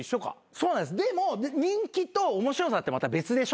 そうなんですでも人気と面白さってまた別でしょ。